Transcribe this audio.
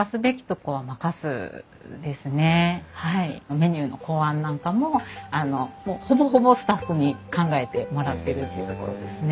メニューの考案なんかもほぼほぼスタッフに考えてもらってるっていうところですね。